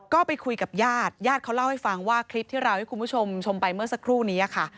ก็ไปคุยกับญาติญาติเขาเล่าให้ฟังว่าคลิปที่เราให้คุณผู้ชมชมไปเมื่อสักครู่นี้ค่ะ